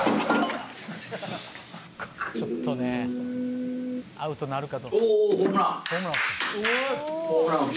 ちょっとねアウトなるかどうか。